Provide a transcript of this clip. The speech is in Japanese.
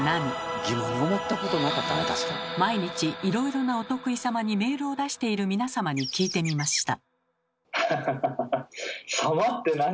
毎日いろいろなお得意様にメールを出している皆様に聞いてみました。